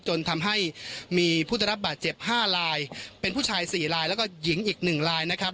จนทำให้มีผู้ได้รับบาดเจ็บ๕ลายเป็นผู้ชาย๔ลายแล้วก็หญิงอีก๑ลายนะครับ